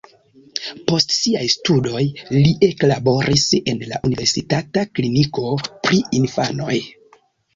Post siaj studoj li eklaboris en la universitata kliniko pri infanoj.